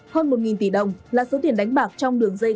hơn một tỷ đồng là số tiền đánh bạc trong đường dây